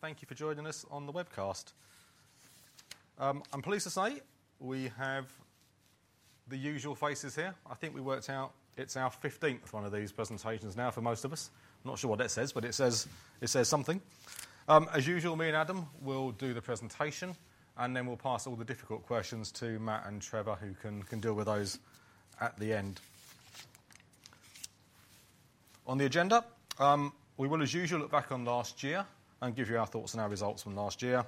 Thank you for joining us on the webcast. I'm pleased to say we have the usual faces here. I think we worked out it's our 15th one of these presentations now for most of us. Not sure what that says, but it says something. As usual, me and Adam will do the presentation, and then we'll pass all the difficult questions to Matt and Trevor, who can deal with those at the end. On the agenda, we will, as usual, look back on last year and give you our thoughts on our results from last year.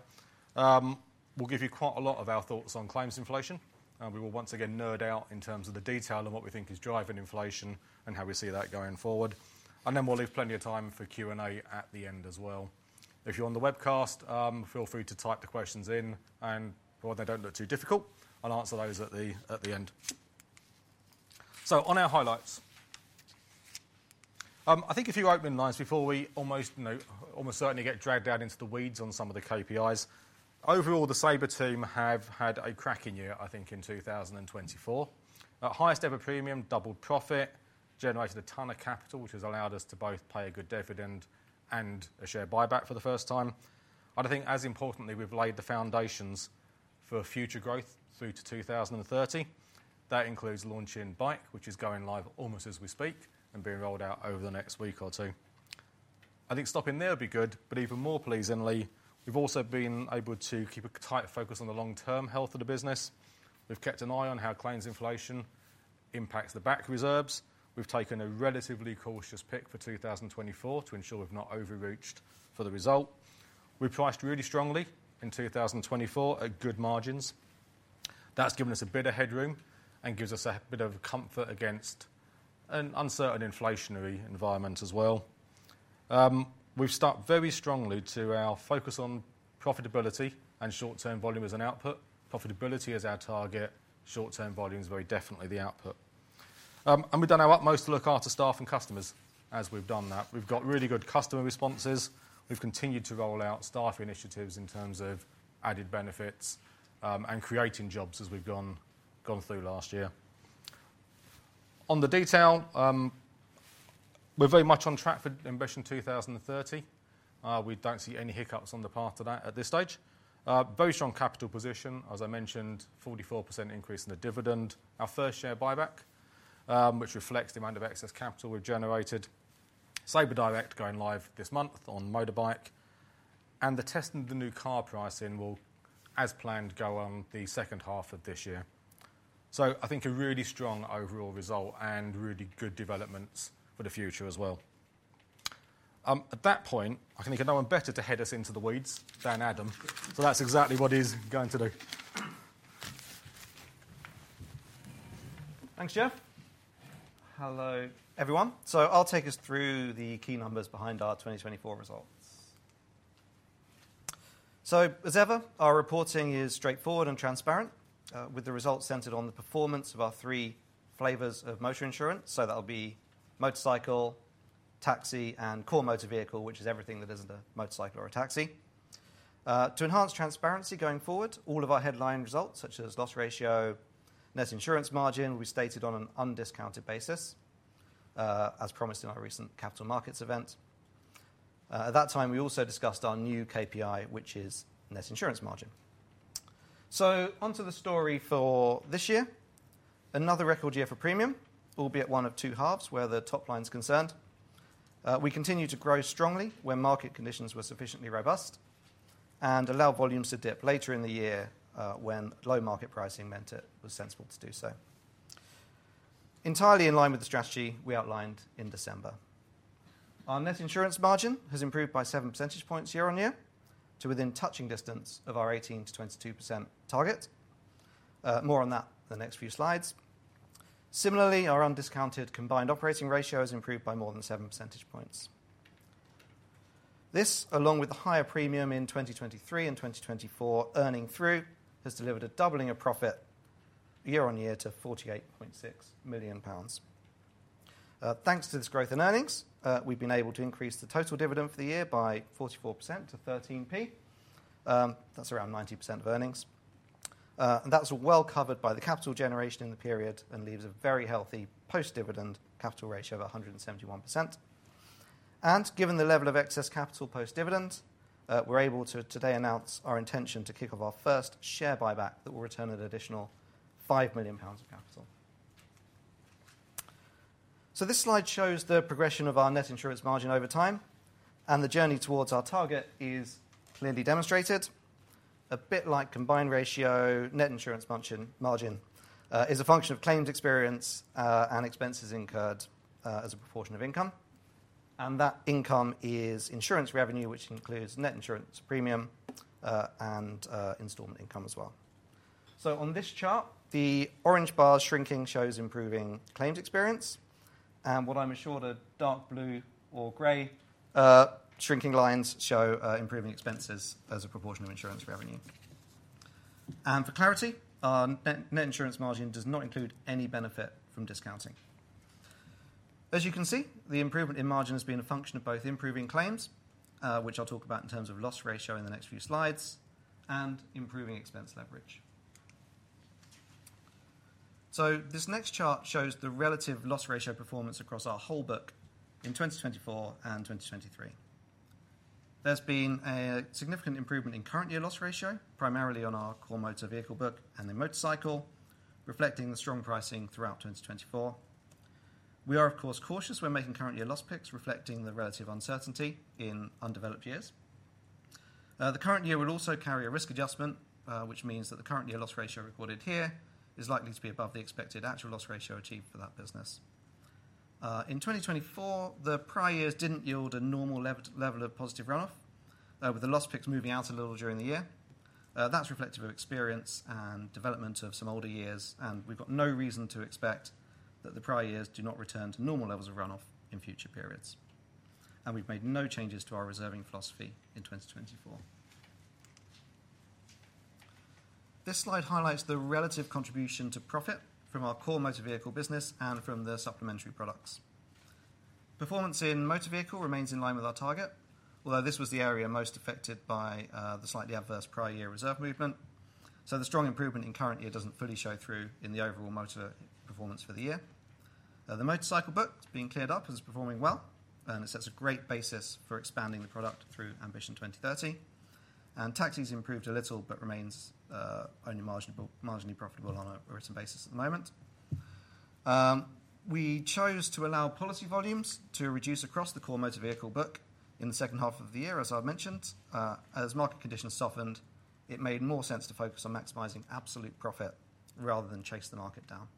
We'll give you quite a lot of our thoughts on claims inflation, and we will once again nerd out in terms of the detail of what we think is driving inflation and how we see that going forward. We will leave plenty of time for Q&A at the end as well. If you're on the webcast, feel free to type the questions in, and while they don't look too difficult, I'll answer those at the end. On our highlights, I think if you open lines before we almost certainly get dragged out into the weeds on some of the KPIs. Overall, the Sabre team have had a cracking year, I think, in 2024. Highest ever premium, doubled profit, generated a ton of capital, which has allowed us to both pay a good dividend and a share buyback for the first time. I think, as importantly, we've laid the foundations for future growth through to 2030. That includes launching Bike, which is going live almost as we speak and being rolled out over the next week or two. I think stopping there would be good, but even more pleasingly, we've also been able to keep a tight focus on the long-term health of the business. We've kept an eye on how claims inflation impacts the back reserves. We've taken a relatively cautious pick for 2024 to ensure we've not overreached for the result. We priced really strongly in 2024 at good margins. That's given us a bit of headroom and gives us a bit of comfort against an uncertain inflationary environment as well. We've stuck very strongly to our focus on profitability and short-term volume as an output. Profitability is our target. Short-term volume is very definitely the output. We've done our utmost to look after staff and customers as we've done that. We've got really good customer responses. We've continued to roll out staff initiatives in terms of added benefits and creating jobs as we've gone through last year. On the detail, we're very much on track for Ambition 2030. We don't see any hiccups on the path to that at this stage. Very strong capital position, as I mentioned, 44% increase in the dividend, our first share buyback, which reflects the amount of excess capital we've generated. Sabre Direct going live this month on motorbike. The testing of the new car pricing will, as planned, go on the second half of this year. I think a really strong overall result and really good developments for the future as well. At that point, I think no one better to head us into the weeds than Adam. That's exactly what he's going to do. Thanks, Geoff. Hello, everyone. I'll take us through the key numbers behind our 2024 results. As ever, our reporting is straightforward and transparent, with the results centered on the performance of our three flavors of motor insurance. That will be motorcycle, taxi, and core motor vehicle, which is everything that is not a motorcycle or a taxi. To enhance transparency going forward, all of our headline results, such as loss ratio and net insurance margin, will be stated on an undiscounted basis, as promised in our recent capital markets event. At that time, we also discussed our new KPI, which is net insurance margin. Onto the story for this year. Another record year for premium, albeit one of two halves where the top line is concerned. We continue to grow strongly when market conditions were sufficiently robust and allow volumes to dip later in the year when low market pricing meant it was sensible to do so. Entirely in line with the strategy we outlined in December. Our net insurance margin has improved by 7 percentage points year-over-year to within touching distance of our 18%-22% target. More on that in the next few slides. Similarly, our undiscounted combined operating ratio has improved by more than 7 percentage points. This, along with the higher premium in 2023 and 2024 earning through, has delivered a doubling of profit year-over-year to 48.6 million pounds. Thanks to this growth in earnings, we've been able to increase the total dividend for the year by 44% to 0.13. That's around 90% of earnings. That is well covered by the capital generation in the period and leaves a very healthy post-dividend capital ratio of 171%. Given the level of excess capital post-dividend, we are able to today announce our intention to kick off our first share buyback that will return an additional 5 million pounds of capital. This slide shows the progression of our net insurance margin over time, and the journey towards our target is clearly demonstrated. A bit like combined ratio, net insurance margin is a function of claims experience and expenses incurred as a proportion of income. That income is insurance revenue, which includes net insurance premium and installment income as well. On this chart, the orange bars shrinking shows improving claims experience. What I am assured are dark blue or grey shrinking lines show improving expenses as a proportion of insurance revenue. For clarity, our net insurance margin does not include any benefit from discounting. As you can see, the improvement in margin has been a function of both improving claims, which I'll talk about in terms of loss ratio in the next few slides, and improving expense leverage. This next chart shows the relative loss ratio performance across our whole book in 2024 and 2023. There has been a significant improvement in current year loss ratio, primarily on our core motor vehicle book and the motorcycle, reflecting the strong pricing throughout 2024. We are, of course, cautious when making current year loss picks, reflecting the relative uncertainty in undeveloped years. The current year will also carry a risk adjustment, which means that the current year loss ratio recorded here is likely to be above the expected actual loss ratio achieved for that business. In 2024, the prior years did not yield a normal level of positive run-off, with the loss picks moving out a little during the year. That is reflective of experience and development of some older years, and we have got no reason to expect that the prior years do not return to normal levels of run-off in future periods. We have made no changes to our reserving philosophy in 2024. This slide highlights the relative contribution to profit from our core motor vehicle business and from the supplementary products. Performance in motor vehicle remains in line with our target, although this was the area most affected by the slightly adverse prior year reserve movement. The strong improvement in current year does not fully show through in the overall motor performance for the year. The motorcycle book has been cleared up and is performing well, and it sets a great basis for expanding the product through Ambition 2030. Taxis improved a little but remains only marginally profitable on a written basis at the moment. We chose to allow policy volumes to reduce across the core motor vehicle book in the second half of the year, as I've mentioned. As market conditions softened, it made more sense to focus on maximizing absolute profit rather than chase the market down.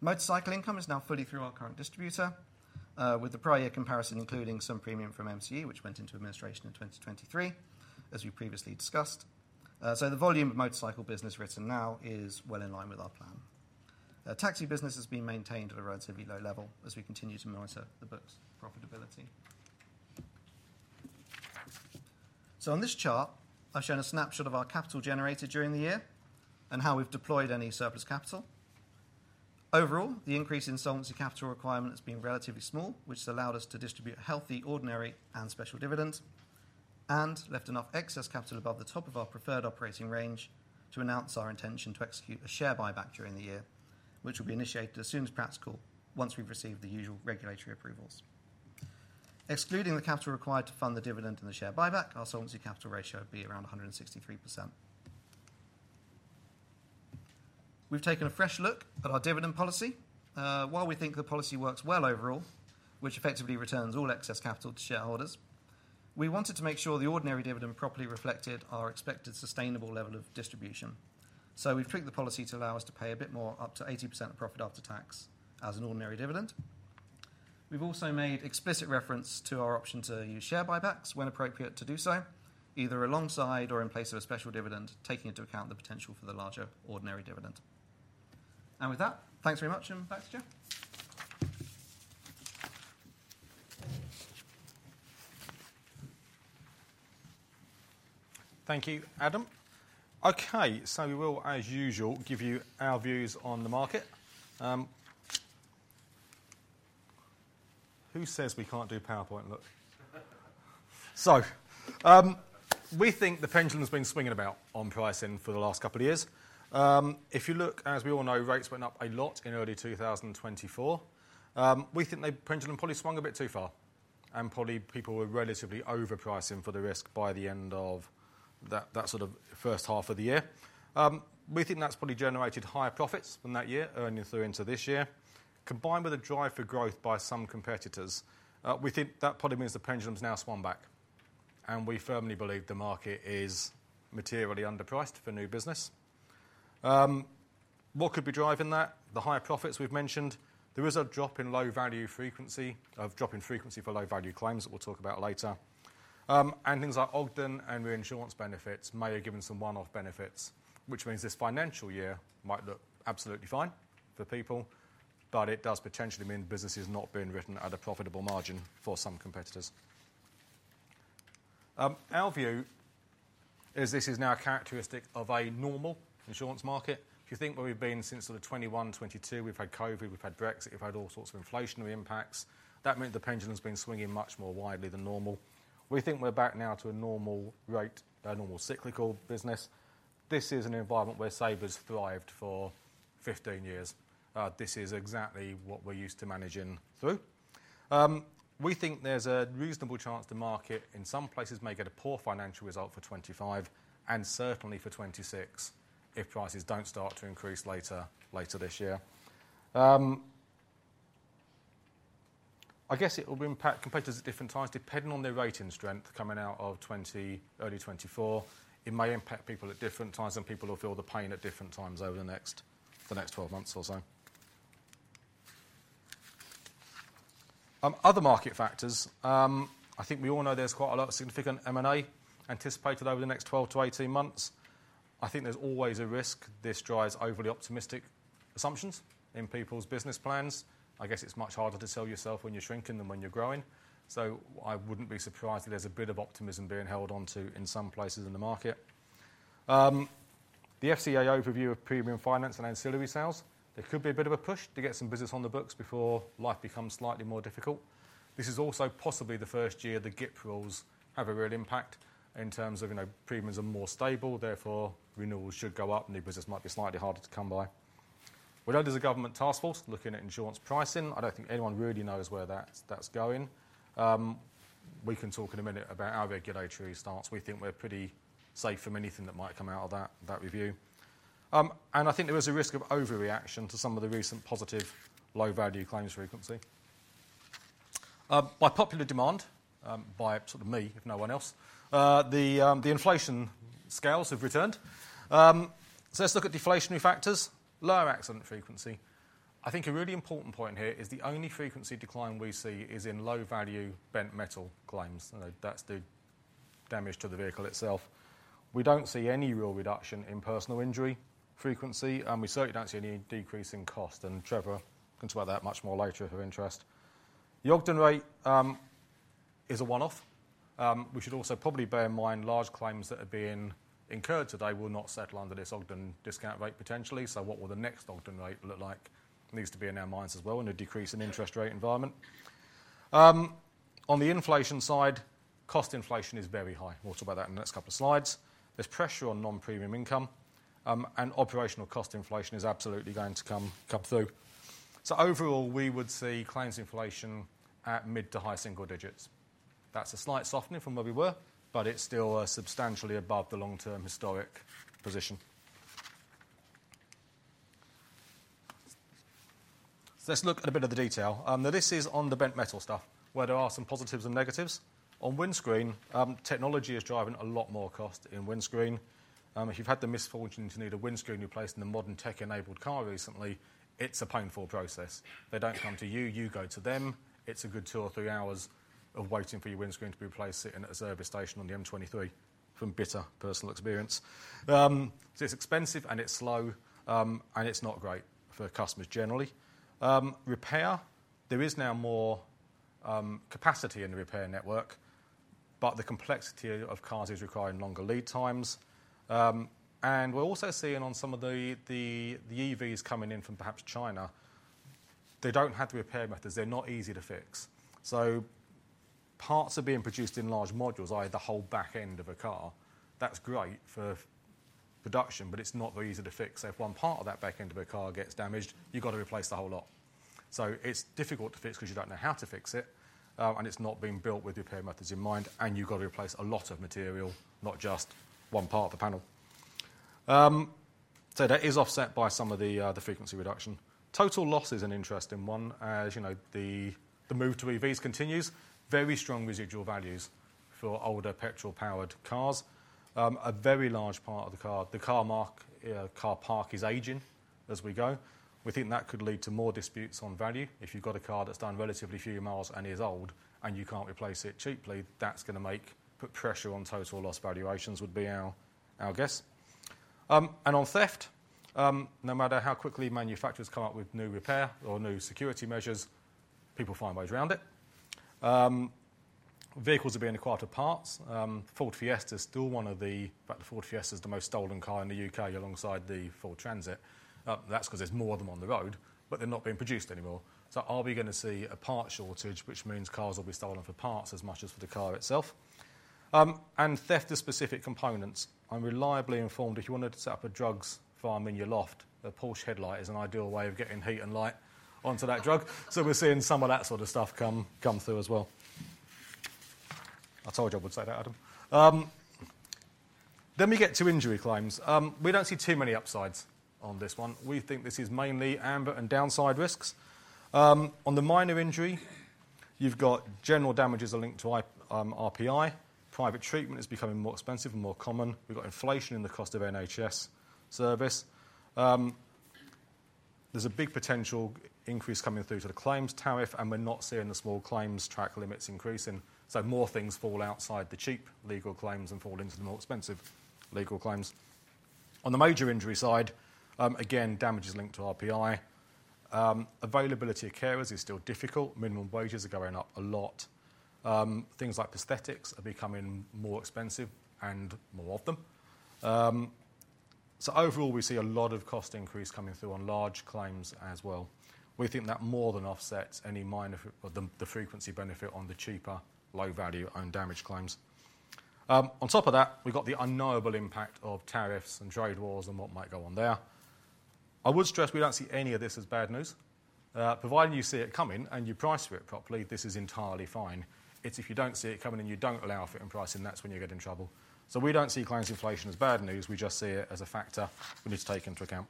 Motorcycle income is now fully through our current distributor, with the prior year comparison including some premium from MCE, which went into administration in 2023, as we previously discussed. The volume of motorcycle business written now is well in line with our plan. Taxi business has been maintained at a relatively low level as we continue to monitor the book's profitability. On this chart, I've shown a snapshot of our capital generated during the year and how we've deployed any surplus capital. Overall, the increase in solvency capital requirement has been relatively small, which has allowed us to distribute a healthy, ordinary, and special dividend, and left enough excess capital above the top of our preferred operating range to announce our intention to execute a share buyback during the year, which will be initiated as soon as practical, once we've received the usual regulatory approvals. Excluding the capital required to fund the dividend and the share buyback, our solvency capital ratio would be around 163%. We've taken a fresh look at our dividend policy. While we think the policy works well overall, which effectively returns all excess capital to shareholders, we wanted to make sure the ordinary dividend properly reflected our expected sustainable level of distribution. We have picked the policy to allow us to pay a bit more, up to 80% of profit after tax, as an ordinary dividend. We have also made explicit reference to our option to use share buybacks when appropriate to do so, either alongside or in place of a special dividend, taking into account the potential for the larger ordinary dividend. With that, thanks very much and back to Geoff. Thank you, Adam. Okay, we will, as usual, give you our views on the market. Who says we can't do PowerPoint, look? We think the pendulum's been swinging about on pricing for the last couple of years. If you look, as we all know, rates went up a lot in early 2024. We think the pendulum probably swung a bit too far, and probably people were relatively overpricing for the risk by the end of that sort of first half of the year. We think that's probably generated higher profits than that year, earning through into this year. Combined with a drive for growth by some competitors, we think that probably means the pendulum's now swung back. We firmly believe the market is materially underpriced for new business. What could be driving that? The higher profits we've mentioned, the result drop in low value frequency, of drop in frequency for low value claims that we'll talk about later. Things like Ogden and reinsurance benefits may have given some one-off benefits, which means this financial year might look absolutely fine for people, but it does potentially mean the business is not being written at a profitable margin for some competitors. Our view is this is now a characteristic of a normal insurance market. If you think where we've been since sort of 2021, 2022, we've had COVID, we've had Brexit, we've had all sorts of inflationary impacts. That meant the pendulum's been swinging much more widely than normal. We think we're back now to a normal rate, a normal cyclical business. This is an environment where Sabre's thrived for 15 years. This is exactly what we're used to managing through. We think there's a reasonable chance the market in some places may get a poor financial result for 2025 and certainly for 2026 if prices don't start to increase later this year. I guess it will impact competitors at different times depending on their rating strength coming out of early 2024. It may impact people at different times and people will feel the pain at different times over the next 12 months or so. Other market factors, I think we all know there's quite a lot of significant M&A anticipated over the next 12 to 18 months. I think there's always a risk this drives overly optimistic assumptions in people's business plans. I guess it's much harder to sell yourself when you're shrinking than when you're growing. I wouldn't be surprised if there's a bit of optimism being held onto in some places in the market. The FCA overview of premium finance and ancillary sales, there could be a bit of a push to get some business on the books before life becomes slightly more difficult. This is also possibly the first year the GIP rules have a real impact in terms of premiums are more stable, therefore renewals should go up, new business might be slightly harder to come by. We know there is a government task force looking at insurance pricing. I do not think anyone really knows where that is going. We can talk in a minute about our regulatory stance. We think we are pretty safe from anything that might come out of that review. I think there is a risk of overreaction to some of the recent positive low value claims frequency. By popular demand, by sort of me, if no one else, the inflation scales have returned. Let's look at deflationary factors, lower accident frequency. I think a really important point here is the only frequency decline we see is in low value bent metal claims. That's the damage to the vehicle itself. We don't see any real reduction in personal injury frequency, and we certainly don't see any decrease in cost. Trevor can talk about that much more later if you're interested. The Ogden rate is a one-off. We should also probably bear in mind large claims that are being incurred today will not settle under this Ogden discount rate potentially. What will the next Ogden rate look like needs to be in our minds as well in a decrease in interest rate environment. On the inflation side, cost inflation is very high. We'll talk about that in the next couple of slides. There's pressure on non-premium income, and operational cost inflation is absolutely going to come through. Overall, we would see claims inflation at mid to high single digits. That's a slight softening from where we were, but it's still substantially above the long-term historic position. Let's look at a bit of the detail. This is on the bent metal stuff, where there are some positives and negatives. On windscreen, technology is driving a lot more cost in windscreen. If you've had the misfortune to need a windscreen replaced in a modern tech-enabled car recently, it's a painful process. They don't come to you, you go to them. It's a good two or three hours of waiting for your windscreen to be replaced sitting at a service station on the M23, from bitter personal experience. It's expensive and it's slow, and it's not great for customers generally. Repair, there is now more capacity in the repair network, but the complexity of cars is requiring longer lead times. We are also seeing on some of the EVs coming in from perhaps China, they do not have the repair methods, they are not easy to fix. Parts are being produced in large modules, i.e., the whole back end of a car. That is great for production, but it is not very easy to fix. If one part of that back end of a car gets damaged, you have to replace the whole lot. It is difficult to fix because you do not know how to fix it, and it is not being built with repair methods in mind, and you have to replace a lot of material, not just one part of the panel. That is offset by some of the frequency reduction. Total loss is an interesting one. As you know, the move to EVs continues. Very strong residual values for older petrol-powered cars. A very large part of the car, the car park is aging as we go. We think that could lead to more disputes on value. If you've got a car that's done relatively few miles and is old, and you can't replace it cheaply, that's going to put pressure on total loss valuations would be our guess. On theft, no matter how quickly manufacturers come up with new repair or new security measures, people find ways around it. Vehicles are being acquired for parts. Ford Fiesta is still one of the, in fact, the Ford Fiesta is the most stolen car in the U.K. alongside the Ford Transit. That's because there's more of them on the road, but they're not being produced anymore. Are we going to see a part shortage, which means cars will be stolen for parts as much as for the car itself? Theft of specific components. I'm reliably informed if you wanted to set up a drugs farm in your loft, a Porsche headlight is an ideal way of getting heat and light onto that drug. We're seeing some of that sort of stuff come through as well. I told you I would say that, Adam. We get to injury claims. We don't see too many upsides on this one. We think this is mainly amber and downside risks. On the minor injury, you've got general damages are linked to RPI. Private treatment is becoming more expensive and more common. We've got inflation in the cost of NHS service. There's a big potential increase coming through to the claims tariff, and we're not seeing the small claims track limits increasing. More things fall outside the cheap legal claims and fall into the more expensive legal claims. On the major injury side, again, damage is linked to RPI. Availability of carers is still difficult. Minimum wages are going up a lot. Things like prosthetics are becoming more expensive and more of them. Overall, we see a lot of cost increase coming through on large claims as well. We think that more than offsets any minor of the frequency benefit on the cheaper, low value owned damage claims. On top of that, we've got the unknowable impact of tariffs and trade wars and what might go on there. I would stress we don't see any of this as bad news. Provided you see it coming and you price for it properly, this is entirely fine. It's if you don't see it coming and you don't allow for it in pricing, that's when you get in trouble. We don't see claims inflation as bad news. We just see it as a factor we need to take into account.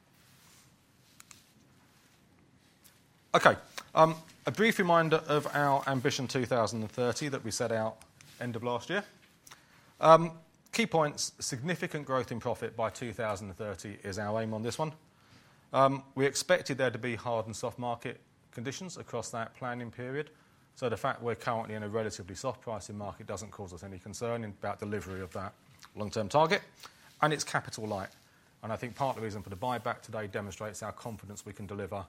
Okay, a brief reminder of our Ambition 2030 that we set out end of last year. Key points, significant growth in profit by 2030 is our aim on this one. We expected there to be hard and soft market conditions across that planning period. The fact we're currently in a relatively soft pricing market doesn't cause us any concern about delivery of that long-term target. It's capital light. I think part of the reason for the buyback today demonstrates our confidence we can deliver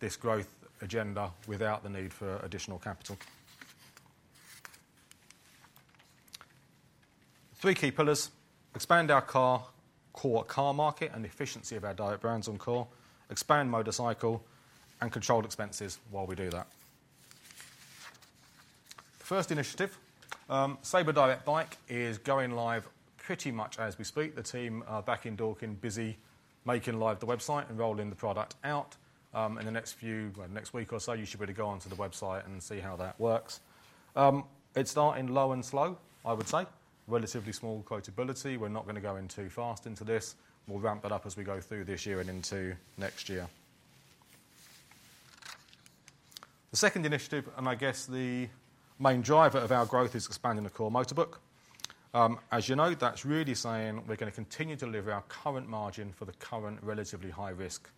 this growth agenda without the need for additional capital. Three key pillars, expand our core car market and efficiency of our direct brands on core, expand motorcycle, and controlled expenses while we do that. First initiative, Sabre Direct Bike is going live pretty much as we speak. The team are back in Dorking, busy making live the website and rolling the product out. In the next week or so, you should be able to go onto the website and see how that works. It's starting low and slow, I would say. Relatively small quotability. We're not going to go in too fast into this. We'll ramp it up as we go through this year and into next year. The second initiative, and I guess the main driver of our growth is expanding the core motorbook. As you know, that's really saying we're going to continue to live our current margin for the current relatively high risk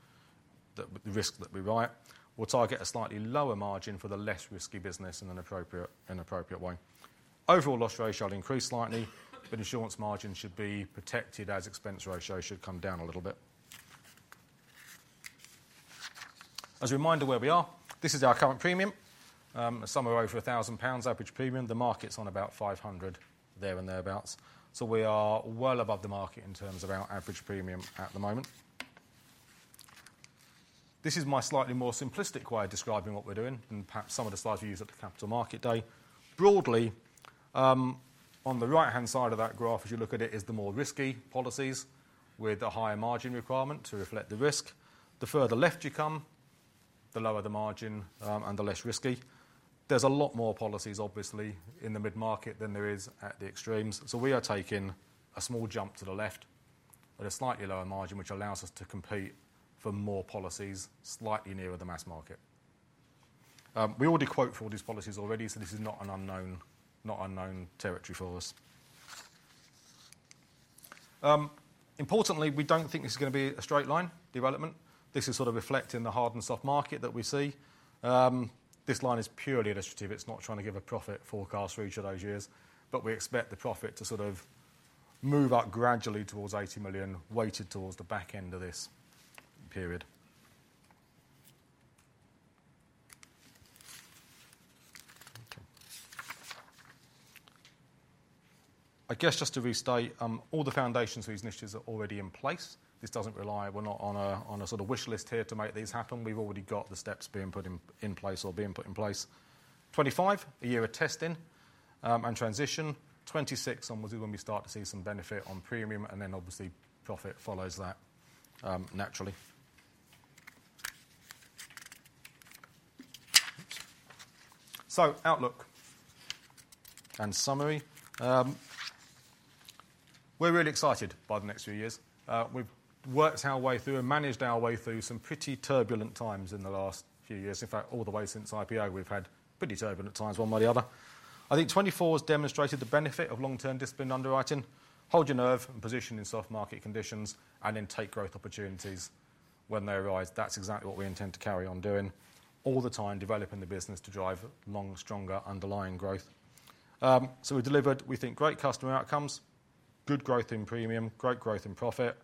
that we ride. We'll target a slightly lower margin for the less risky business in an appropriate way. Overall loss ratio will increase slightly, but insurance margin should be protected as expense ratio should come down a little bit. As a reminder where we are, this is our current premium. Somewhere over 1,000 pounds average premium. The market's on about 500 there and thereabouts. We are well above the market in terms of our average premium at the moment. This is my slightly more simplistic way of describing what we're doing and perhaps some of the slides we use at the Capital Market Day. Broadly, on the right-hand side of that graph, as you look at it, is the more risky policies with a higher margin requirement to reflect the risk. The further left you come, the lower the margin and the less risky. There are a lot more policies, obviously, in the mid-market than there are at the extremes. We are taking a small jump to the left at a slightly lower margin, which allows us to compete for more policies slightly nearer the mass market. We already quote for all these policies already, so this is not an unknown territory for us. Importantly, we do not think this is going to be a straight line development. This is sort of reflecting the hard and soft market that we see. This line is purely administrative. It's not trying to give a profit forecast for each of those years, but we expect the profit to sort of move up gradually towards 80 million, weighted towards the back end of this period. I guess just to restate, all the foundations for these initiatives are already in place. This doesn't rely. We're not on a sort of wish list here to make these happen. We've already got the steps being put in place or being put in place. 2025, a year of testing and transition. 2026, obviously, when we start to see some benefit on premium, and then obviously profit follows that naturally. Outlook and summary. We're really excited by the next few years. We've worked our way through and managed our way through some pretty turbulent times in the last few years. In fact, all the way since IPO, we've had pretty turbulent times one way or the other. I think 2024 has demonstrated the benefit of long-term disciplined underwriting, hold your nerve and position in soft market conditions, and then take growth opportunities when they arise. That is exactly what we intend to carry on doing all the time, developing the business to drive long, stronger underlying growth. We have delivered, we think, great customer outcomes, good growth in premium, great growth in profit.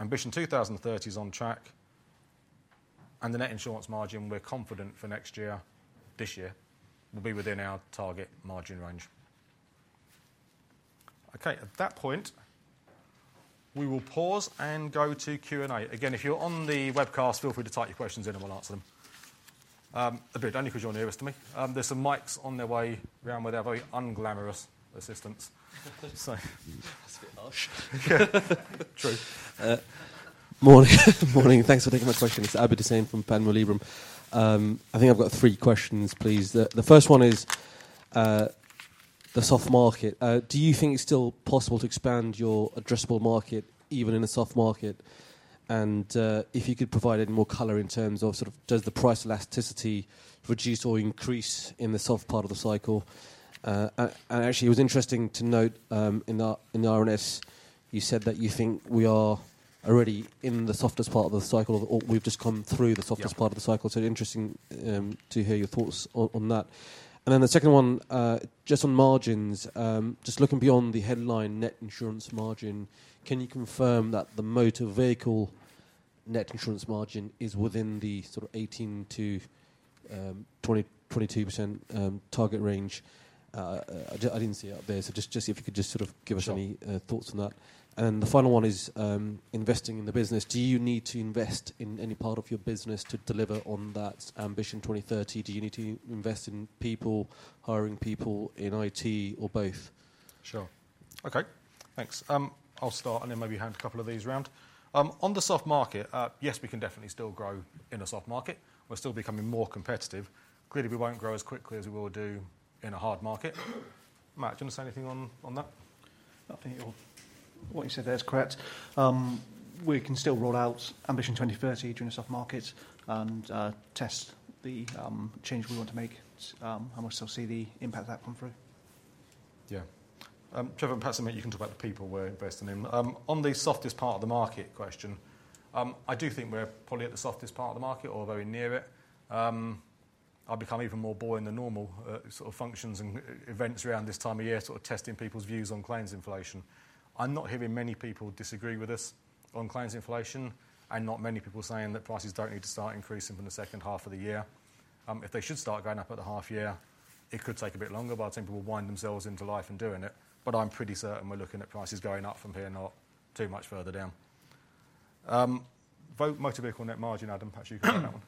Ambition 2030 is on track. The net insurance margin, we are confident for next year, this year, will be within our target margin range. Okay, at that point, we will pause and go to Q&A. Again, if you are on the webcast, feel free to type your questions in and we will answer them. Abid, only because you are nearest to me. are some mics on their way around with our very unglamorous assistants. That is a bit harsh. True. Morning. Morning. Thanks for taking my question. It is Abid Hussain from Panmure Liberum. I think I have got three questions, please. The first one is the soft market. Do you think it is still possible to expand your addressable market even in a soft market? If you could provide any more color in terms of does the price elasticity reduce or increase in the soft part of the cycle? Actually, it was interesting to note in the R&S, you said that you think we are already in the softest part of the cycle or we have just come through the softest part of the cycle. Interesting to hear your thoughts on that. Then the second one, just on margins, just looking beyond the headline net insurance margin, can you confirm that the motor vehicle net insurance margin is within the sort of 18-22% target range? I did not see it up there. Just to see if you could just sort of give us any thoughts on that. The final one is investing in the business. Do you need to invest in any part of your business to deliver on that Ambition 2030? Do you need to invest in people, hiring people in IT or both? Sure. Okay, thanks. I'll start and then maybe hand a couple of these around. On the soft market, yes, we can definitely still grow in a soft market. We're still becoming more competitive. Clearly, we will not grow as quickly as we will do in a hard market. Matt, do you want to say anything on that? I think what you said there is correct. We can still roll out Ambition 2030 during a soft market and test the change we want to make. We will still see the impact of that come through. Yeah. Trevor, perhaps you can talk about the people we're investing in. On the softest part of the market question, I do think we're probably at the softest part of the market or very near it. I've become even more bored in the normal sort of functions and events around this time of year sort of testing people's views on claims inflation. I'm not hearing many people disagree with us on claims inflation and not many people saying that prices don't need to start increasing from the second half of the year. If they should start going up at the half year, it could take a bit longer, but I think people wind themselves into life and doing it. I am pretty certain we are looking at prices going up from here and not too much further down. Motor vehicle net margin, Adam, perhaps you can add that one.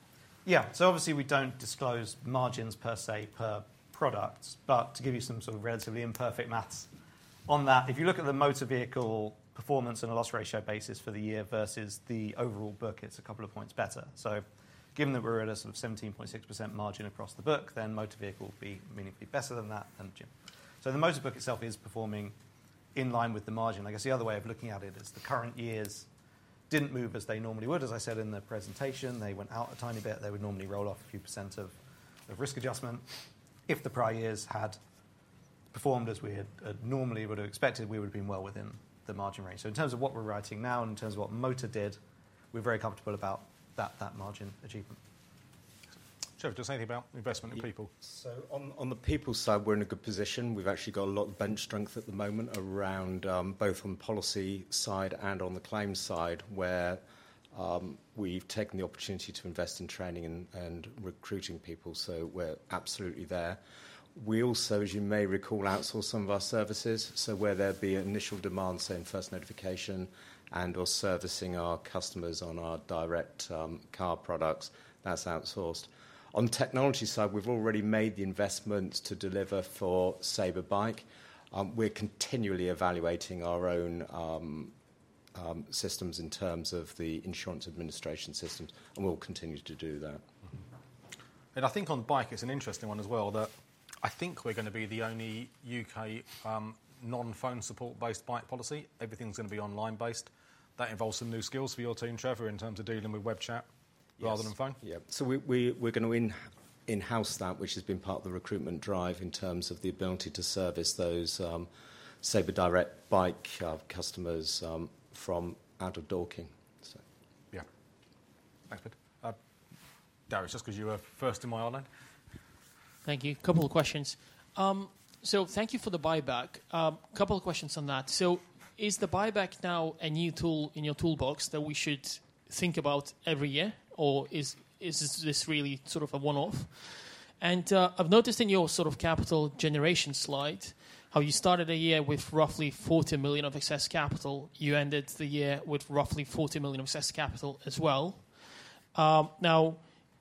Yeah, obviously we do not disclose margins per se per product, but to give you some sort of relatively imperfect maths on that, if you look at the motor vehicle performance and loss ratio basis for the year versus the overall book, it is a couple of points better. Given that we are at a sort of 17.6% margin across the book, then motor vehicle would be meaningfully better than that. The motor book itself is performing in line with the margin. I guess the other way of looking at it is the current years did not move as they normally would. As I said in the presentation, they went out a tiny bit. They would normally roll off a few percent of risk adjustment. If the prior years had performed as we had normally would have expected, we would have been well within the margin range. In terms of what we are writing now and in terms of what motor did, we are very comfortable about that margin achievement. Trevor, just anything about investment in people? On the people side, we are in a good position. We have actually got a lot of bench strength at the moment around both on the policy side and on the claim side where we have taken the opportunity to invest in training and recruiting people. We are absolutely there. We also, as you may recall, outsource some of our services. Where there be initial demand, say in first notification and/or servicing our customers on our direct car products, that is outsourced. On the technology side, we have already made the investments to deliver for Sabre Bike. We are continually evaluating our own systems in terms of the insurance administration systems, and we will continue to do that. I think on bike, it is an interesting one as well that I think we are going to be the only U.K. non-phone support-based bike policy. Everything is going to be online-based. That involves some new skills for your team, Trevor, in terms of dealing with web chat rather than phone. Yeah, we are going to in-house that, which has been part of the recruitment drive in terms of the ability to service those Sabre Direct Bike customers from out of Dorking. Yeah. Thanks, Peter. Darius, just because you were first in my eye. Thank you. Couple of questions. Thank you for the buyback. Couple of questions on that. Is the buyback now a new tool in your toolbox that we should think about every year, or is this really sort of a one-off? I have noticed in your sort of capital generation slide, how you started a year with roughly 40 million of excess capital. You ended the year with roughly 40 million of excess capital as well.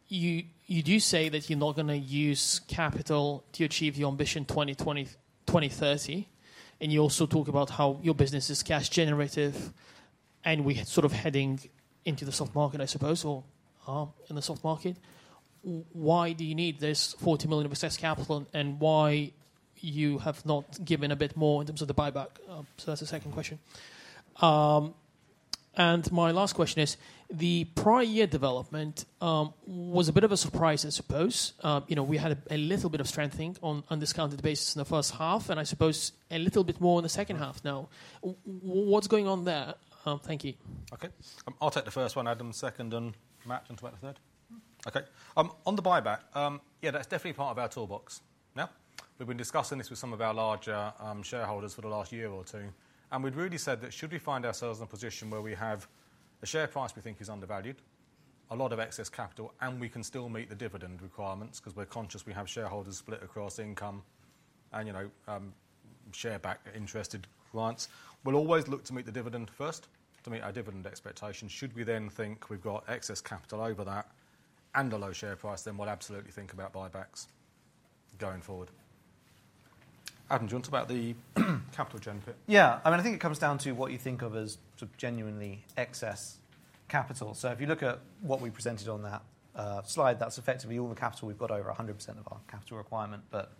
You do say that you're not going to use capital to achieve your Ambition 2030, and you also talk about how your business is cash generative, and we're sort of heading into the soft market, I suppose, or in the soft market. Why do you need this 40 million of excess capital, and why you have not given a bit more in terms of the buyback? That is the second question. My last question is, the prior year development was a bit of a surprise, I suppose. We had a little bit of strengthening on discounted basis in the first half, and I suppose a little bit more in the second half now. What is going on there? Thank you. Okay, I will take the first one, Adam, the second, and Matt, about the third. Okay, on the buyback, that is definitely part of our toolbox. Now, we've been discussing this with some of our larger shareholders for the last year or two, and we've really said that should we find ourselves in a position where we have a share price we think is undervalued, a lot of excess capital, and we can still meet the dividend requirements because we're conscious we have shareholders split across income and share back interested clients, we'll always look to meet the dividend first, to meet our dividend expectations. Should we then think we've got excess capital over that and a low share price, then we'll absolutely think about buybacks going forward. Adam, do you want to talk about the capital gen pit? Yeah, I mean, I think it comes down to what you think of as sort of genuinely excess capital. If you look at what we presented on that slide, that's effectively all the capital we've got over 100% of our capital requirement, but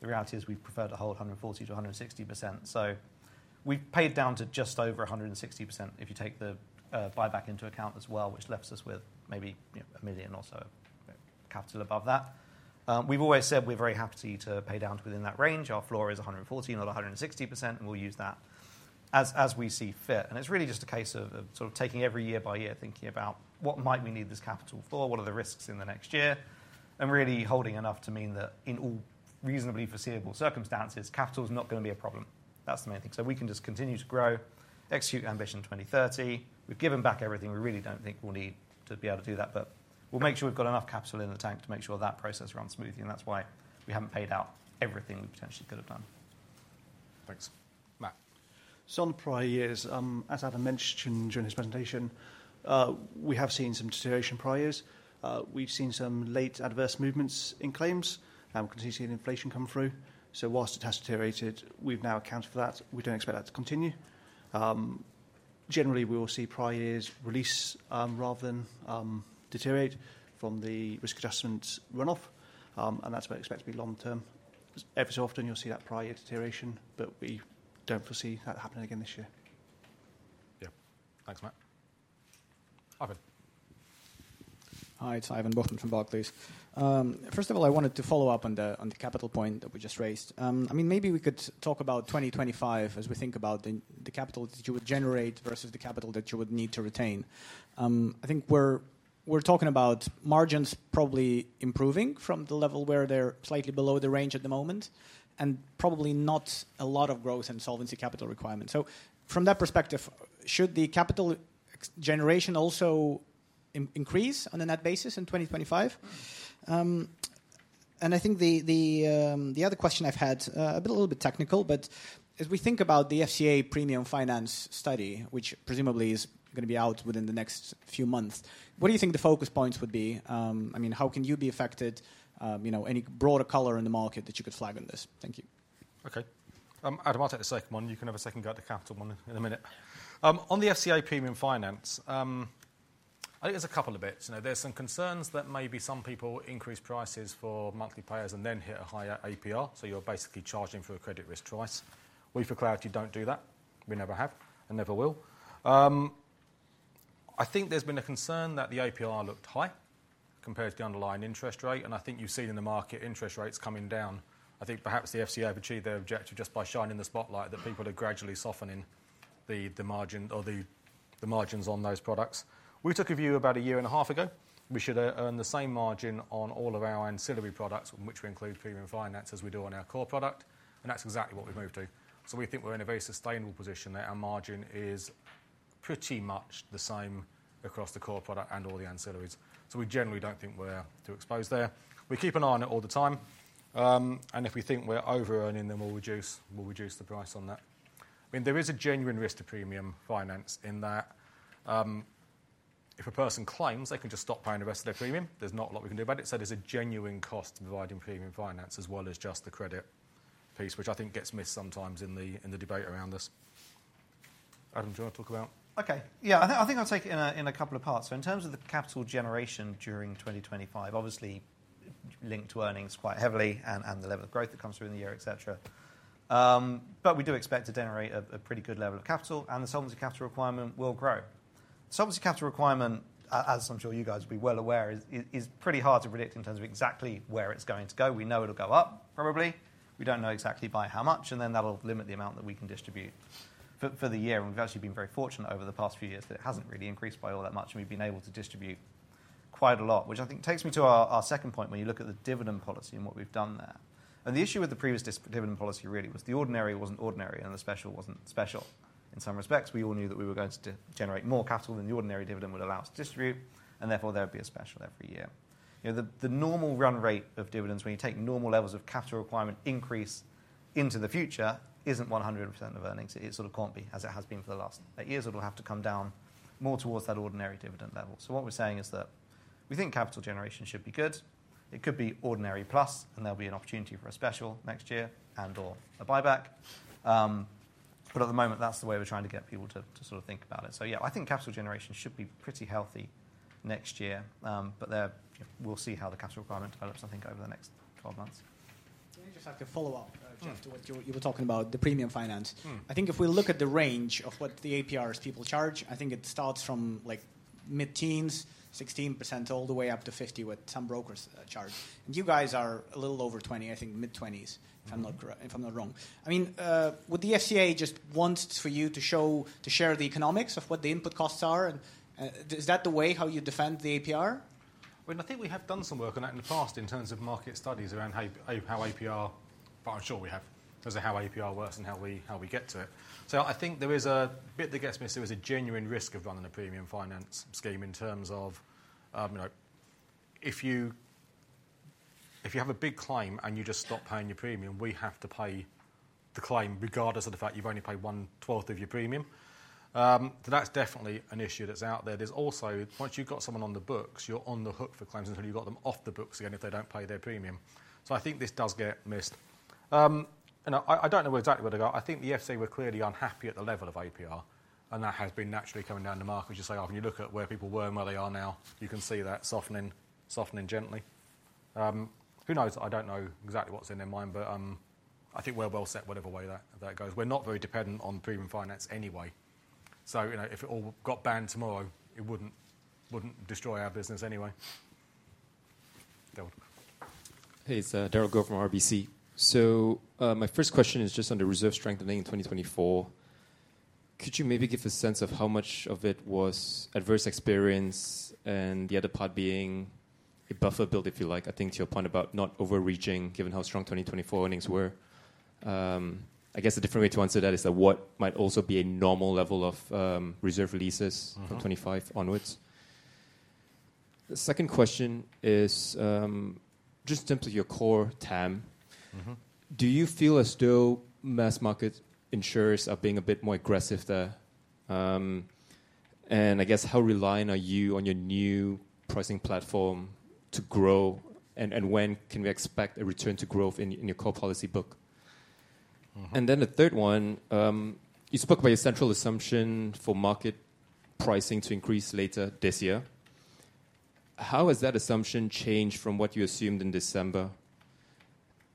the reality is we've preferred to hold 140-160%. We've paid down to just over 160% if you take the buyback into account as well, which leaves us with maybe a million or so capital above that. We've always said we're very happy to pay down to within that range. Our floor is 140%, not 160%, and we'll use that as we see fit. It's really just a case of taking every year by year, thinking about what might we need this capital for, what are the risks in the next year, and really holding enough to mean that in all reasonably foreseeable circumstances, capital is not going to be a problem. That's the main thing. We can just continue to grow, execute Ambition 2030. We've given back everything. We really don't think we'll need to be able to do that, but we'll make sure we've got enough capital in the tank to make sure that process runs smoothly, and that's why we haven't paid out everything we potentially could have done. Thanks. Matt. On the prior years, as Adam mentioned during his presentation, we have seen some deterioration prior years. We've seen some late adverse movements in claims and continue to see inflation come through. Whilst it has deteriorated, we've now accounted for that. We don't expect that to continue. Generally, we will see prior years release rather than deteriorate from the risk adjustment run-off, and that's what we expect to be long-term. Ever so often, you'll see that prior year deterioration, but we don't foresee that happening again this year. Yeah. Thanks, Matt. Ivan. Hi, it's Ivan Boulding from Barclays. First of all, I wanted to follow up on the capital point that we just raised. I mean, maybe we could talk about 2025 as we think about the capital that you would generate versus the capital that you would need to retain. I think we're talking about margins probably improving from the level where they're slightly below the range at the moment and probably not a lot of growth in solvency capital requirements. From that perspective, should the capital generation also increase on a net basis in 2025? I think the other question I've had, a little bit technical, but as we think about the FCA premium finance study, which presumably is going to be out within the next few months, what do you think the focus points would be? I mean, how can you be affected? Any broader color in the market that you could flag on this? Thank you. Okay. Adam, I'll take the second one. You can have a second go at the capital one in a minute. On the FCA premium finance, I think there's a couple of bits. There's some concerns that maybe some people increase prices for monthly payers and then hit a higher APR. You are basically charging for a credit risk twice. We, for clarity, do not do that. We never have and never will. I think there has been a concern that the APR looked high compared to the underlying interest rate, and I think you have seen in the market interest rates coming down. I think perhaps the FCA have achieved their objective just by shining the spotlight that people are gradually softening the margins on those products. We took a view about a year and a half ago. We should earn the same margin on all of our ancillary products, which we include premium finance as we do on our core product, and that's exactly what we've moved to. We think we're in a very sustainable position that our margin is pretty much the same across the core product and all the ancillaries. We generally don't think we're too exposed there. We keep an eye on it all the time, and if we think we're over-earning them, we'll reduce the price on that. I mean, there is a genuine risk to premium finance in that if a person claims, they can just stop paying the rest of their premium. There's not a lot we can do about it. There's a genuine cost to providing premium finance as well as just the credit piece, which I think gets missed sometimes in the debate around this. Adam, do you want to talk about? Okay. Yeah, I think I'll take it in a couple of parts. In terms of the capital generation during 2025, obviously linked to earnings quite heavily and the level of growth that comes through in the year, etc. We do expect to generate a pretty good level of capital, and the solvency capital requirement will grow. Solvency capital requirement, as I'm sure you guys will be well aware, is pretty hard to predict in terms of exactly where it's going to go. We know it'll go up probably. We do not know exactly by how much, and then that'll limit the amount that we can distribute for the year. We have actually been very fortunate over the past few years that it has not really increased by all that much, and we have been able to distribute quite a lot, which I think takes me to our second point when you look at the dividend policy and what we have done there. The issue with the previous dividend policy really was the ordinary was not ordinary, and the special was not special in some respects. We all knew that we were going to generate more capital than the ordinary dividend would allow us to distribute, and therefore there would be a special every year. The normal run rate of dividends, when you take normal levels of capital requirement increase into the future, is not 100% of earnings. It sort of cannot be as it has been for the last eight years. It will have to come down more towards that ordinary dividend level. What we're saying is that we think capital generation should be good. It could be ordinary plus, and there'll be an opportunity for a special next year and/or a buyback. At the moment, that's the way we're trying to get people to sort of think about it. Yeah, I think capital generation should be pretty healthy next year, but we'll see how the capital requirement develops, I think, over the next 12 months. Let me just add a follow-up to what you were talking about, the premium finance. I think if we look at the range of what the APRs people charge, I think it starts from mid-teens, 16% all the way up to 50% with some brokers charged. You guys are a little over 20, I think mid-20s, if I'm not wrong. I mean, would the FCA just want for you to share the economics of what the input costs are? Is that the way how you defend the APR? I think we have done some work on that in the past in terms of market studies around how APR, but I'm sure we have, as to how APR works and how we get to it. I think there is a bit that gets missed. There is a genuine risk of running a premium finance scheme in terms of if you have a big claim and you just stop paying your premium, we have to pay the claim regardless of the fact you've only paid one-twelfth of your premium. That's definitely an issue that's out there. There's also, once you've got someone on the books, you're on the hook for claims until you've got them off the books again if they don't pay their premium. I think this does get missed. I don't know exactly where to go. I think the FCA were clearly unhappy at the level of APR, and that has been naturally coming down the mark, which is, when you look at where people were and where they are now, you can see that softening gently. Who knows? I don't know exactly what's in their mind, but I think we're well set whatever way that goes. We're not very dependent on premium finance anyway. If it all got banned tomorrow, it wouldn't destroy our business anyway. Hey, it's Darryl Goh from RBC. My first question is just on the reserve strengthening in 2024. Could you maybe give a sense of how much of it was adverse experience and the other part being a buffer build, if you like, I think to your point about not overreaching given how strong 2024 earnings were? I guess a different way to answer that is that what might also be a normal level of reserve releases from 2025 onwards. The second question is just in terms of your core TAM, do you feel as though mass market insurers are being a bit more aggressive there? I guess, how reliant are you on your new pricing platform to grow, and when can we expect a return to growth in your core policy book? The third one, you spoke about your central assumption for market pricing to increase later this year. How has that assumption changed from what you assumed in December?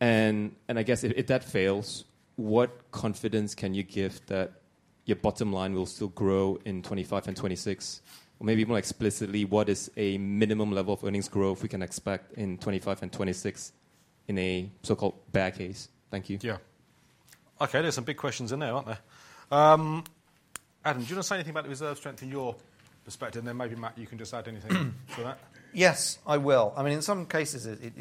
I guess if that fails, what confidence can you give that your bottom line will still grow in 2025 and 2026? Or maybe more explicitly, what is a minimum level of earnings growth we can expect in 2025 and 2026 in a so-called bad case? Thank you. Yeah. Okay, there are some big questions in there, are not there? Adam, do you want to say anything about the reserve strength in your perspective? Then maybe, Matt, you can just add anything to that. Yes, I will. I mean, in some cases, it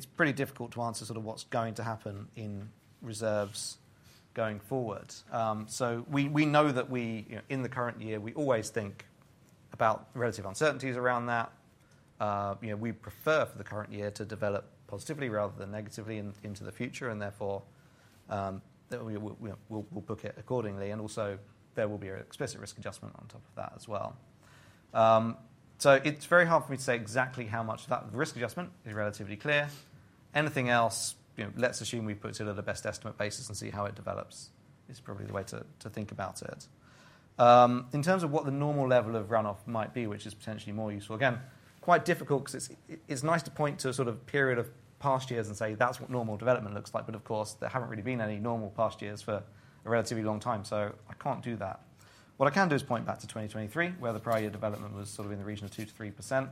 is pretty difficult to answer sort of what is going to happen in reserves going forward. We know that in the current year, we always think about relative uncertainties around that. We prefer for the current year to develop positively rather than negatively into the future, and therefore, we will book it accordingly. There will be an explicit risk adjustment on top of that as well. It is very hard for me to say exactly how much that risk adjustment is relatively clear. Anything else, let's assume we put it at a best estimate basis and see how it develops. It is probably the way to think about it. In terms of what the normal level of run-off might be, which is potentially more useful, again, quite difficult because it is nice to point to a sort of period of past years and say, "That's what normal development looks like," but of course, there have not really been any normal past years for a relatively long time. I cannot do that. What I can do is point back to 2023, where the prior year development was sort of in the region of 2%-3%.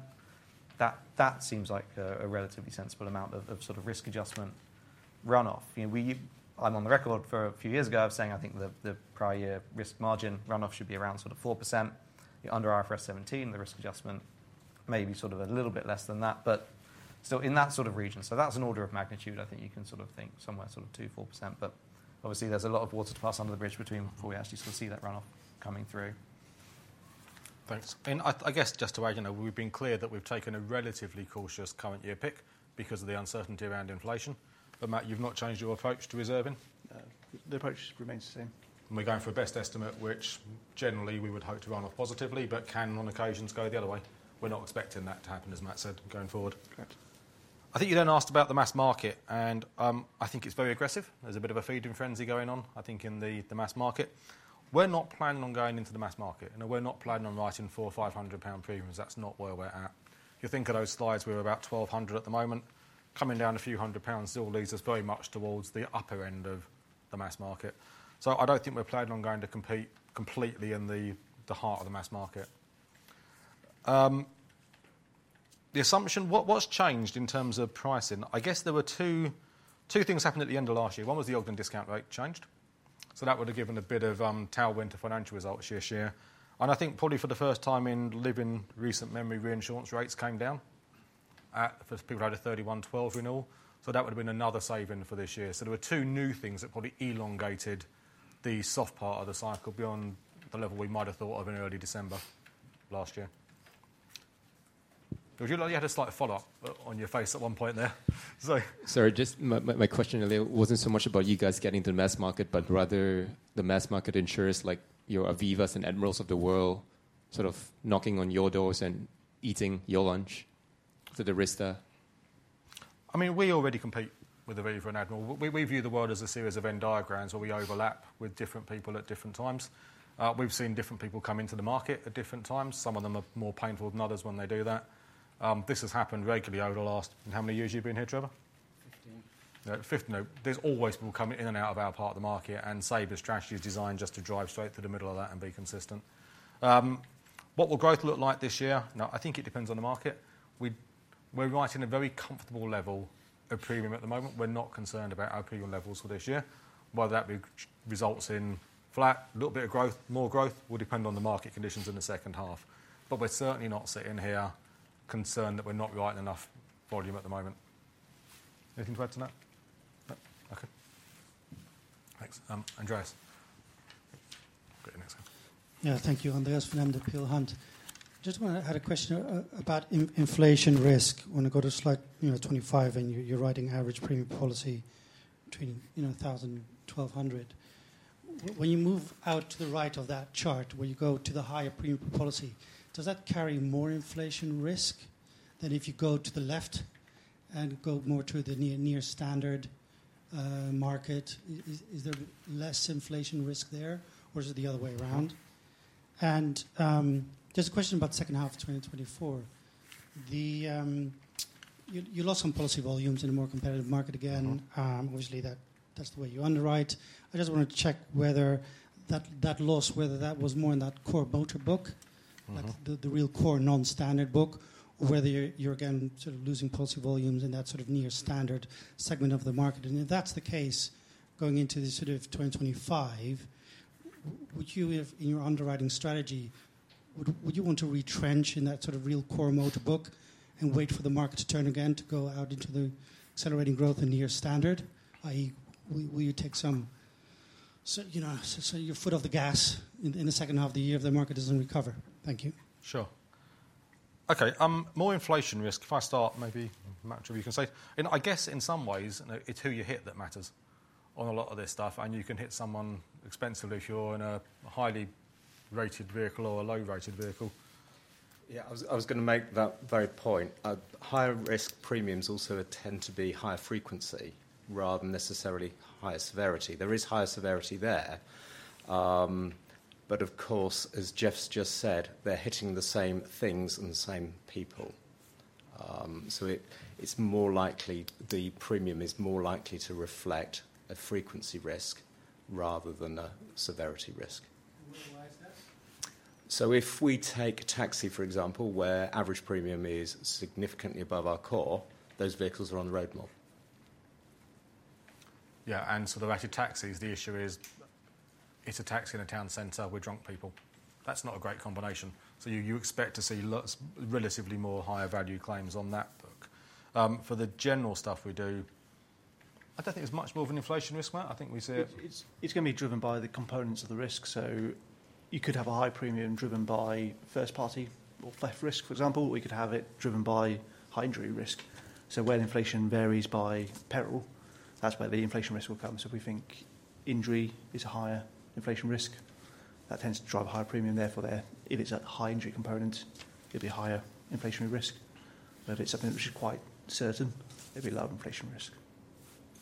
That seems like a relatively sensible amount of sort of risk adjustment run-off. I'm on the record for a few years ago of saying I think the prior year risk margin run-off should be around sort of 4%. Under IFRS 17, the risk adjustment may be sort of a little bit less than that, but still in that sort of region. That's an order of magnitude. I think you can sort of think somewhere sort of 2%-4%, but obviously, there's a lot of water to pass under the bridge before we actually sort of see that run-off coming through. Thanks. I guess just to add, we've been clear that we've taken a relatively cautious current year pick because of the uncertainty around inflation. Matt, you've not changed your approach to reserving. The approach remains the same. We're going for a best estimate, which generally we would hope to run off positively, but can on occasions go the other way. We're not expecting that to happen, as Matt said, going forward. Correct. I think you then asked about the mass market, and I think it's very aggressive. There's a bit of a feeding frenzy going on, I think, in the mass market. We're not planning on going into the mass market, and we're not planning on writing 400- 500 pound premiums. That's not where we're at. If you think of those slides, we're about 1,200 at the moment. Coming down a few hundred pounds still leads us very much towards the upper end of the mass market. I don't think we're planning on going to compete completely in the heart of the mass market. The assumption, what's changed in terms of pricing? I guess there were two things happened at the end of last year. One was the Ogden discount rate changed. That would have given a bit of tailwind to financial results year-to-year. I think probably for the first time in living recent memory, reinsurance rates came down for people who had a 31-12 renewal. That would have been another saving for this year. There were two new things that probably elongated the soft part of the cycle beyond the level we might have thought of in early December last year. You had a slight follow-up on your face at one point there. Sorry, just my question earlier was not so much about you guys getting to the mass market, but rather the mass market insurers like your Avivas and Admirals of the world sort of knocking on your doors and eating your lunch. The risk there. I mean, we already compete with Aviva and Admiral. We view the world as a series of Venn diagrams where we overlap with different people at different times. We've seen different people come into the market at different times. Some of them are more painful than others when they do that. This has happened regularly over the last, how many years you've been here, Trevor? Fifteen. Fifteen. There's always people coming in and out of our part of the market and Sabre strategy is designed just to drive straight through the middle of that and be consistent. What will growth look like this year? I think it depends on the market. We're writing a very comfortable level of premium at the moment. We're not concerned about our premium levels for this year. Whether that results in flat, a little bit of growth, more growth will depend on the market conditions in the second half. We are certainly not sitting here concerned that we are not writing enough volume at the moment. Anything to add to that? No. Okay. Thanks. Andreas. Yeah, thank you, Andreas van Embden, Peel Hunt. I just had a question about inflation risk. When I go to slide 25 and you are writing average premium policy between GBP 1,000 and 1,200, when you move out to the right of that chart, when you go to the higher premium policy, does that carry more inflation risk than if you go to the left and go more to the near-standard market? Is there less inflation risk there, or is it the other way around? I just have a question about the second half of 2024. You lost some policy volumes in a more competitive market again. Obviously, that's the way you underwrite. I just want to check whether that loss, whether that was more in that core motor book, the real core non-standard book, whether you're again sort of losing policy volumes in that sort of near-standard segment of the market. If that's the case going into this sort of 2025, would you, in your underwriting strategy, would you want to retrench in that sort of real core motor book and wait for the market to turn again to go out into the accelerating growth and near-standard? Will you take your foot off the gas in the second half of the year if the market doesn't recover? Thank you. Sure. Okay. More inflation risk. If I start, maybe Matt, you can say. I guess in some ways, it's who you hit that matters on a lot of this stuff. You can hit someone expensively if you're in a highly rated vehicle or a low-rated vehicle. Yeah, I was going to make that very point. Higher risk premiums also tend to be higher frequency rather than necessarily higher severity. There is higher severity there. Of course, as Geoff's just said, they're hitting the same things and the same people. It's more likely the premium is more likely to reflect a frequency risk rather than a severity risk. If we take a taxi, for example, where average premium is significantly above our core, those vehicles are on the road more. Yeah. For the rated taxis, the issue is it's a taxi in a town center with drunk people. That's not a great combination. You expect to see relatively more higher value claims on that book. For the general stuff we do, I don't think there's much more of an inflation risk, Matt. I think we see it. It's going to be driven by the components of the risk. You could have a high premium driven by first-party or flat risk, for example, or you could have it driven by high injury risk. Where inflation varies by peril, that's where the inflation risk will come. If we think injury is a higher inflation risk, that tends to drive a higher premium. Therefore, if it's a high injury component, it'd be higher inflationary risk. If it's something which is quite certain, it'd be low inflation risk.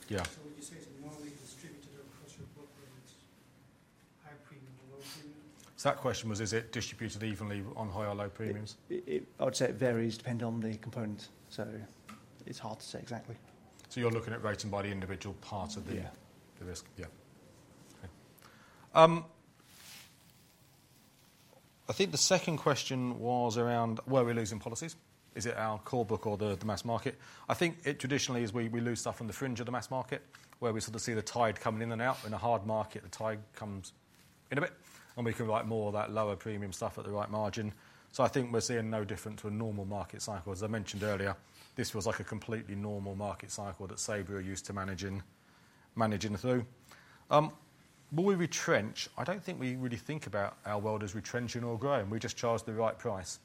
Yeah. Would you say it's more distributed across your book when it's high premium or low premium? That question was, is it distributed evenly on high or low premiums? I would say it varies depending on the component. It's hard to say exactly. You're looking at rating by the individual part of the risk. Yeah. Okay. I think the second question was around, were we losing policies? Is it our core book or the mass market? I think it traditionally is we lose stuff from the fringe of the mass market where we sort of see the tide coming in and out. In a hard market, the tide comes in a bit, and we can write more of that lower premium stuff at the right margin. I think we're seeing no different to a normal market cycle. As I mentioned earlier, this was like a completely normal market cycle that Sabre used to manage through. Will we retrench? I don't think we really think about our world as retrenching or growing. We just charge the right price,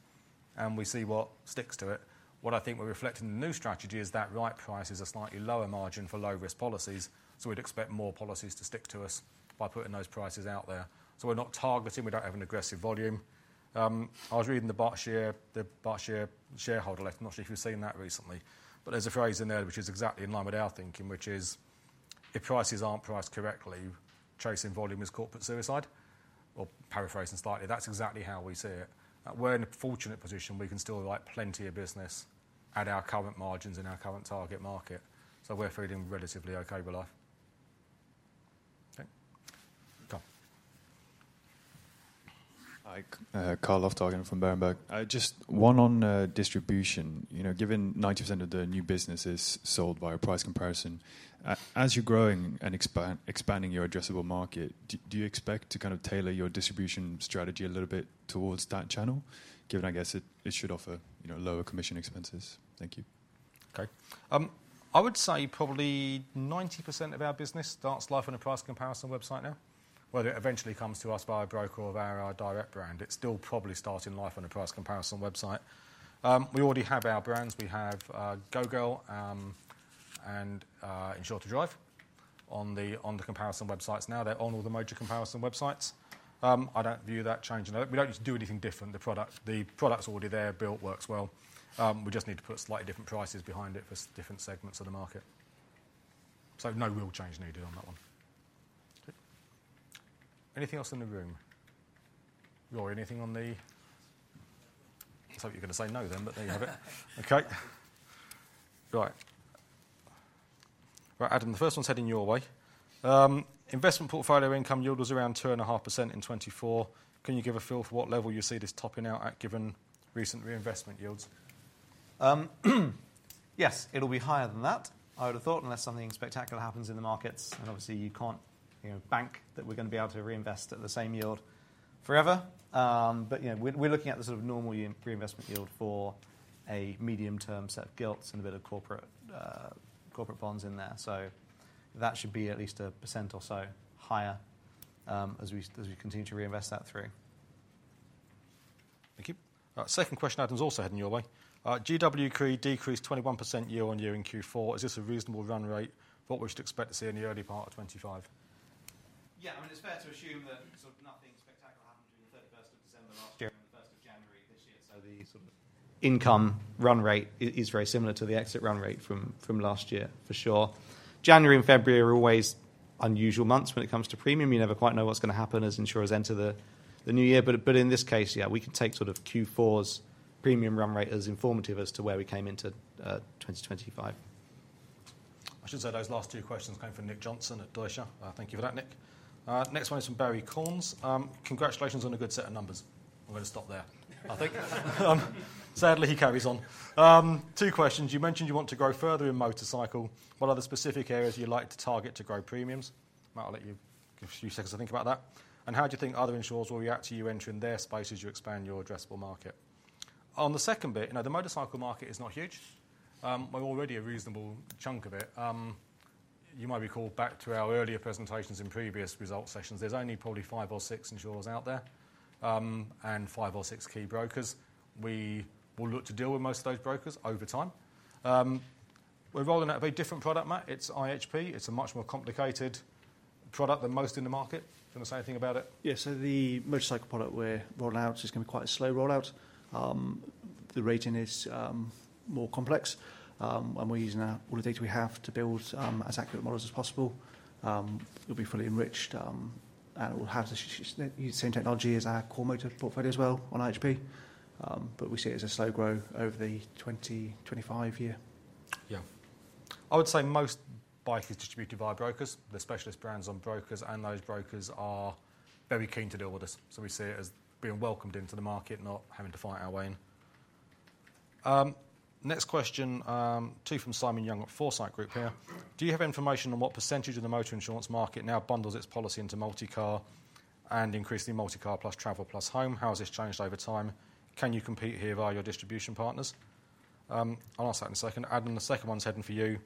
and we see what sticks to it. What I think we're reflecting in the new strategy is that right price is a slightly lower margin for low-risk policies. We'd expect more policies to stick to us by putting those prices out there. We're not targeting. We don't have an aggressive volume. I was reading the Berkshire shareholder letter. I'm not sure if you've seen that recently, but there's a phrase in there which is exactly in line with our thinking, which is, if prices aren't priced correctly, chasing volume is corporate suicide. Or paraphrasing slightly, that's exactly how we see it. We're in a fortunate position. We can still write plenty of business at our current margins in our current target market. We're feeling relatively okay with life. Okay. Hi.Tom Lovell from Berenberg. Just one on distribution. Given 90% of the new business is sold via price comparison, as you're growing and expanding your addressable market, do you expect to kind of tailor your distribution strategy a little bit towards that channel, given, I guess, it should offer lower commission expenses? Thank you. Okay. I would say probably 90% of our business starts life on a price comparison website now. Whether it eventually comes to us via broker or via our direct brand, it's still probably starting life on a price comparison website. We already have our brands. We have Go Girl and Insure 2 Drive on the comparison websites. Now they're on all the major comparison websites. I don't view that change. We don't need to do anything different. The product's already there. Built works well. We just need to put slightly different prices behind it for different segments of the market. No real change needed on that one. Anything else in the room? Rory, anything on the... I thought you were going to say no then, but there you have it. Okay. Right. Right, Adam, the first one's heading your way. Investment portfolio income yield was around 2.5% in 2024. Can you give a feel for what level you see this topping out at given recent reinvestment yields? Yes, it'll be higher than that, I would have thought, unless something spectacular happens in the markets. Obviously, you can't bank that we're going to be able to reinvest at the same yield forever. We're looking at the sort of normal reinvestment yield for a medium-term set of gilts and a bit of corporate bonds in there. That should be at least a percent or so higher as we continue to reinvest that through. Thank you. Second question, Adam's also heading your way. GWCRE decreased 21% year-over-year in Q4. Is this a reasonable run rate? What we should expect to see in the early part of 2025? Yeah, I mean, it's fair to assume that sort of nothing spectacular happened during the 31st of December last year and the 1st of January this year. The sort of income run rate is very similar to the exit run rate from last year, for sure. January and February are always unusual months when it comes to premium. You never quite know what's going to happen as insurers enter the new year. In this case, yeah, we can take Q4's premium run rate as informative as to where we came into 2025. I should say those last two questions came from Nick Johnson at Deutsche. Thank you for that, Nick. Next one is from Barrie Cornes Congratulations on a good set of numbers. I'm going to stop there, I think. Sadly, he carries on. Two questions. You mentioned you want to grow further in motorcycle. What are the specific areas you'd like to target to grow premiums? Matt, I'll let you give a few seconds to think about that. How do you think other insurers will react to you entering their space as you expand your addressable market? On the second bit, you know, the motorcycle market is not huge. We're already a reasonable chunk of it. You might recall back to our earlier presentations in previous results sessions, there's only probably five or six insurers out there and five or six key brokers. We will look to deal with most of those brokers over time. We're rolling out a very different product, Matt. It's IHP. It's a much more complicated product than most in the market. Can I say anything about it? Yeah, so the motorcycle product we're rolling out is going to be quite a slow rollout. The rating is more complex, and we're using all the data we have to build as accurate models as possible. It'll be fully enriched, and it will have the same technology as our core motor portfolio as well on IHP. We see it as a slow grow over the 2025 year. I would say most bikes are distributed by brokers. The specialist brands on brokers, and those brokers are very keen to deal with us. We see it as being welcomed into the market, not having to fight our way in. Next question, two from Simon Young at Foresight Group here. Do you have information on what percentage of the motor insurance market now bundles its policy into multi-car and increasingly multi-car plus travel plus home? How has this changed over time? Can you compete here via your distribution partners? I'll ask that in a second. Adam, the second one's heading for you.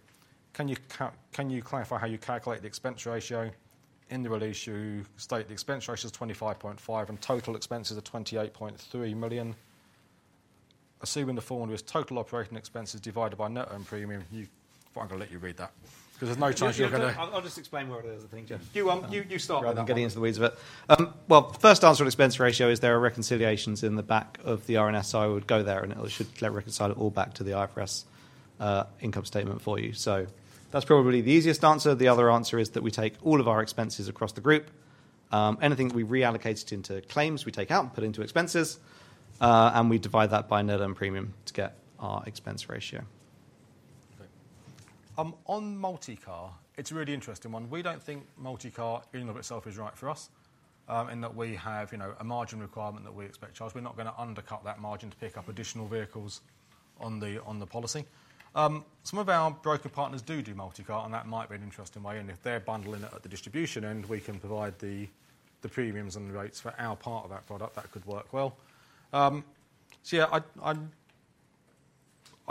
Can you clarify how you calculate the expense ratio? In the release, you state the expense ratio is 25.5% and total expenses are 28.3 million. Assuming the formula is total operating expenses divided by net earned premium, you I'm going to let you read that because there's no chance you're going to... I'll just explain what it is, I think, Geoff. You start. Rather than getting into the weeds of it. First answer on expense ratio, is there are reconciliations in the back of the R&S? I would go there, and it should reconcile it all back to the IFRS income statement for you. That is probably the easiest answer. The other answer is that we take all of our expenses across the group. Anything we reallocate into claims, we take out and put into expenses, and we divide that by net earned premium to get our expense ratio. Okay. On multi-car, it is a really interesting one. We do not think multi-car in and of itself is right for us in that we have a margin requirement that we expect charged. We are not going to undercut that margin to pick up additional vehicles on the policy. Some of our broker partners do do multi-car, and that might be an interesting way. If they're bundling it at the distribution end, we can provide the premiums and the rates for our part of that product. That could work well. Yeah, I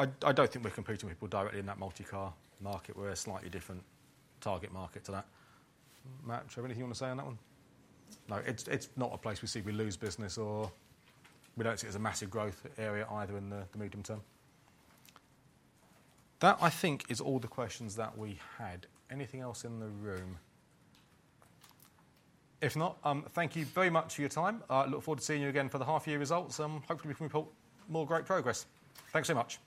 do not think we're competing with people directly in that multi-car market. We're a slightly different target market to that. Matt, do you have anything you want to say on that one? No. It's not a place we see we lose business, or we do not see it as a massive growth area either in the medium term. That, I think, is all the questions that we had. Anything else in the room? If not, thank you very much for your time. I look forward to seeing you again for the half-year results. Hopefully, we can report more great progress. Thanks very much.